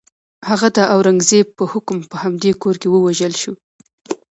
هغه د اورنګزېب په حکم په همدې کور کې ووژل شو.